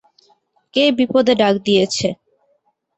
কে বিপদে ডাক দিয়েছে।